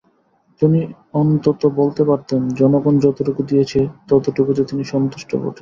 তিনি অন্তত বলতে পারতেন, জনগণ যতটুকু দিয়েছে, ততটুকুতে তিনি সন্তুষ্ট বটে।